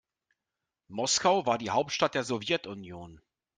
Moskau war die Hauptstadt der Sowjetunion.